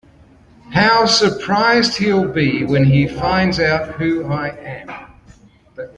How surprised he’ll be when he finds out who I am!